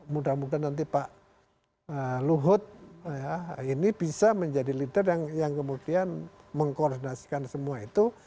mudah mudahan nanti pak luhut ini bisa menjadi leader yang kemudian mengkoordinasikan semua itu